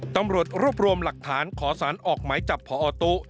ตำรวจรวบรวมหลักฐานขอสารออกหมายจับพอตู้